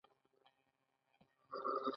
په دې توګه د خپل مسلک عزت ساتلی شي.